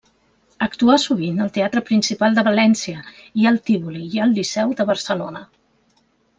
Actuà sovint al Teatre Principal de València i al Tívoli i al Liceu de Barcelona.